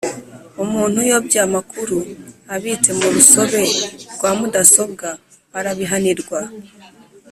Umuntu uyobya amakuru abitse mu rusobe rwa mudasobwa arabihanirwa